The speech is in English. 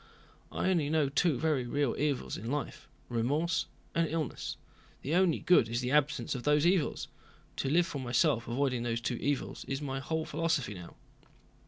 "I only know two very real evils in life: remorse and illness. The only good is the absence of those evils. To live for myself avoiding those two evils is my whole philosophy now."